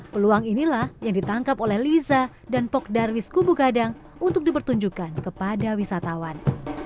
peluang inilah yang ditangkap oleh liza dan pok darwis kubu gadang untuk dipertunjukkan kepada wisatawan